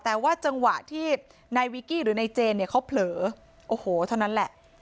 แต่ว่าจังหวะที่นายวิกกี้หรือนายเจนเนี่ยเขาเผลอโอ้โหเท่านั้นแหละ